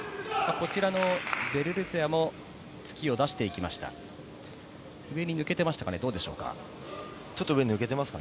こちらのベルルツェワも突きを出していきました。